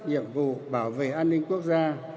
nhiệm vụ bảo vệ an ninh quốc gia